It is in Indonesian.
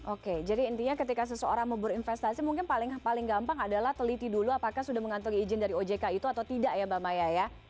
oke jadi intinya ketika seseorang mau berinvestasi mungkin paling gampang adalah teliti dulu apakah sudah mengantongi izin dari ojk itu atau tidak ya mbak maya ya